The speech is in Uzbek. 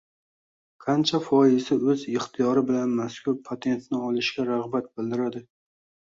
qancha foizi o‘z ixtiyori bilan mazkur patentni olishga rag‘bat bildiradi?